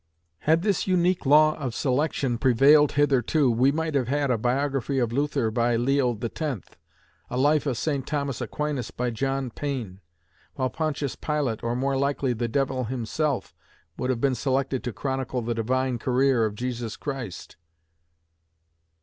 Had this unique law of selection prevailed hitherto, we might have had a biography of Luther by Leo the Tenth; a life of St. Thomas Aquinas by Thomas Payne; while Pontius Pilate, or more likely the devil himself, would have been selected to chronicle the divine career of Jesus Christ.